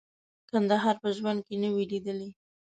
کندهار په ژوند کې نه وې لیدلي.